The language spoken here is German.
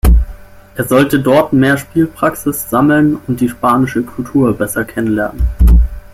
Er sollte dort mehr Spielpraxis sammeln und die spanische Kultur besser kennenlernen.